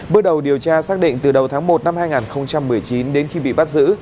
bước đầu điều tra xác định từ đầu tháng một năm hai nghìn một mươi chín đến khi bị bắt giữ